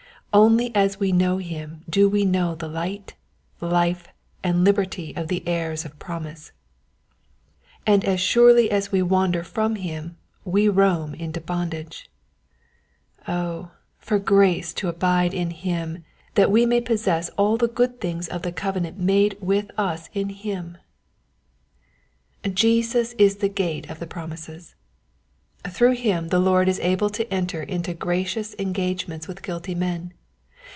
Only as we know him do we know the light, life, and liberty of the heirs of promise ; and as surely as we wander from him we roam into bondage. Oh, for grace to abide in him, that we may possess all the good things of the covenant made with us in him ! Jesus and the Promises, 127 Jesus is the gate of the promises. Through him the Lord is able to enter into gracious engage ments with guilty men.